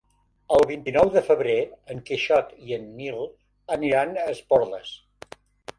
El vint-i-nou de febrer en Quixot i en Nil aniran a Esporles.